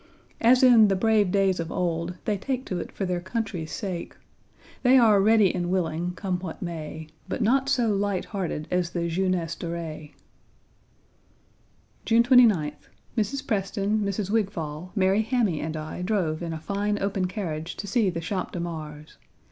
As in "the brave days of old," they take to it for their country's sake. They are ready and willing, come what may. But not so light hearted as the jeunesse dorée. June 29th. Mrs. Preston, Mrs. Wigfall, Mary Hammy and I drove in a fine open carriage to see the Champ de Mars.